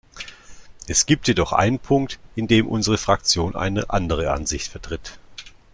Es gibt jedoch einen Punkt, in dem unsere Fraktion eine andere Ansicht vertritt.